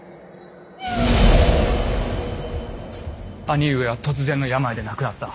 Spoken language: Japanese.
兄上は突然の病で亡くなった。